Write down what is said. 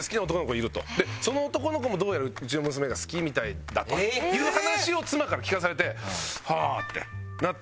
でその男の子もどうやらうちの娘が好きみたいだという話を妻から聞かされてはぁってなって。